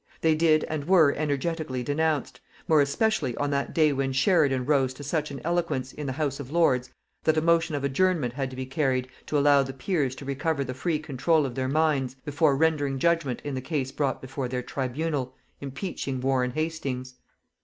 They did and were energetically denounced more especially on that day when Sheridan rose to such an eloquence, in the House of Lords, that a motion of adjournment had to be carried, to allow the peers to recover the free control of their minds before rendering judgment in the case brought before their tribunal, impeaching Warren Hastings.